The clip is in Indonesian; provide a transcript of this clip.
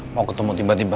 mau ketemu tiba tiba